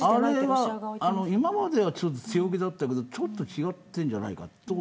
今までは強気だったけど少し違ってるんじゃないかな。